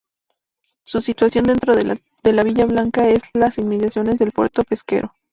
Su situación dentro de la Villa Blanca es las inmediaciones del puerto pesquero.